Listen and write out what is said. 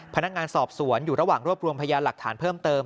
พนักงานสอบสวนอยู่ระหว่างรวบรวมพยานหลักฐานเพิ่มเติม